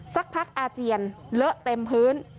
สักพักอาเจียนเลอะเต็มพื้น